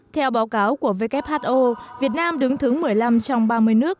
theo báo cáo của who việt nam đứng thứ một mươi năm trong ba mươi nước